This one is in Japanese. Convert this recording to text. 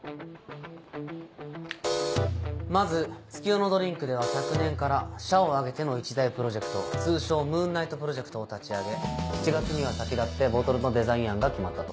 まず月夜野ドリンクでは昨年から社を挙げての一大プロジェクト通称ムーンナイトプロジェクトを立ち上げ７月には先立ってボトルのデザイン案が決まったと。